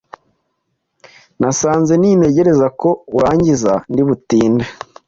nasanze nintegereza ko urangiza ndibutinde